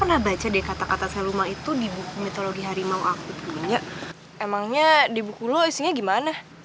pernah baca dick atas selula itu di buku mitologi harimau aku punya emangnya de scra tsing haq zona